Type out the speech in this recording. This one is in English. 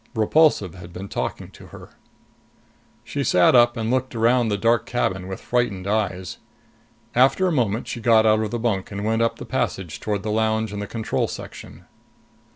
Repulsive had been talking to her. She sat up and looked around the dark cabin with frightened eyes. After a moment, she got out of the bunk and went up the passage toward the lounge and the control section.